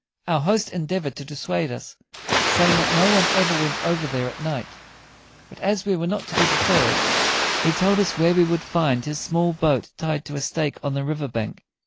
Our host endeavored to dissuade us, saying that no one ever went over there at night; but as we were not to be deterred he told us where we would find his small boat tied to a stake on the river bank.